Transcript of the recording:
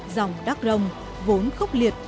dòng đắc rồng vốn khốc liệt